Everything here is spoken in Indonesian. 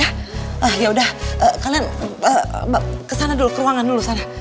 ah yaudah kalian kesana dulu ke ruangan dulu sana